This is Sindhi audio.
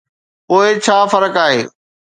پوء ڇا فرق آهي؟